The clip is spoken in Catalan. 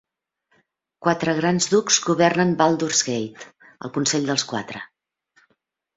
Quatre grans ducs governen Baldur's Gate, el Consell dels Quatre.